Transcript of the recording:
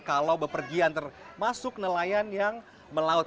kalau bepergian termasuk nelayan yang melaut